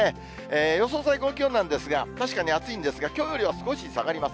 予想最高気温なんですが、確かに暑いんですが、きょうよりは少し下がります。